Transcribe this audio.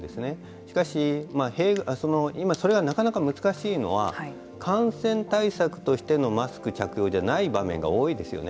しかし、今、それはなかなか難しいのは感染対策としてのマスク着用じゃない場合が多いですよね。